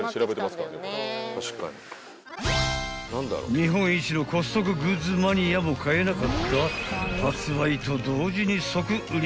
［日本一のコストコグッズマニアも買えなかった発売と同時に］